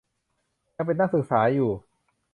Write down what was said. ยังเป็นนักศึกษาอยู่